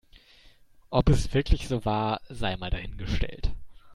Ob es wirklich so war, sei mal dahingestellt.